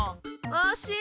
おしい。